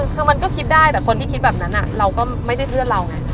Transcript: คือมันก็คิดได้แต่คนที่คิดแบบนั้นเราก็ไม่ได้เพื่อนเราไง